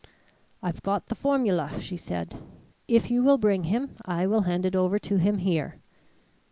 "I've got the formula," she said. "If you will bring him, I will hand it over to him here."